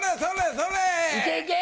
いけいけ！